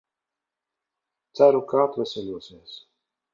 Ceru, ka atveseļosieties.